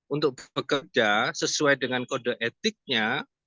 untuk bekerja sesuai dengan kode etiknya